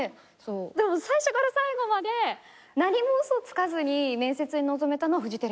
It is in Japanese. でも最初から最後まで何も嘘つかずに面接に臨めたのはフジテレビだったの。